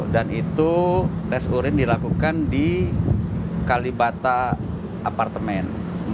dan itu tes urin dilakukan di kalibata apartemen